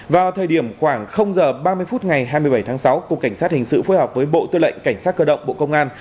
vào thời điểm khoảng h ba mươi phút ngày hai mươi bảy tháng sáu cục cảnh sát hình sự phối hợp với bộ tư lệnh cảnh sát cơ động bộ công an